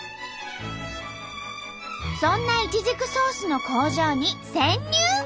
そんなイチジクソースの工場に潜入！